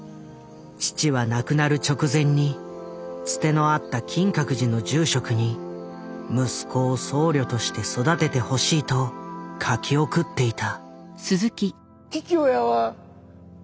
父は亡くなる直前にツテのあった金閣寺の住職に息子を僧侶として育ててほしいと書き送っていた。